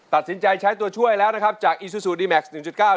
ตัดสินใจใช้ตัวช่วยแล้วนะครับจากอีซูซูดีแม็กซ์หนึ่งจุดเก้า